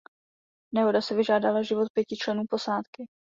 Nehoda si vyžádala život pěti členů posádky.